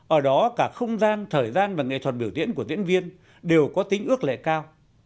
ở đó cả không gian thời gian và nghệ thuật biểu diễn của diễn viên đều có tính ước lệ cao